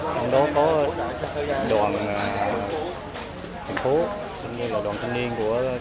trong đó có đoàn thành phố đoàn thanh niên của thành phố